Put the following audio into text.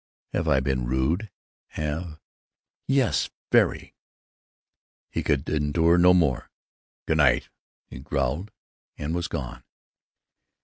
"Have I been rude? Have——" "Yes. Very." He could endure no more. "Good night!" he growled, and was gone.